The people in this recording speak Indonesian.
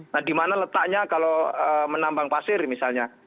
nah dimana letaknya kalau menambang pasir misalnya